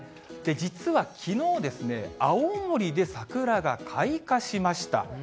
実はきのうですね、青森で桜が開花しました。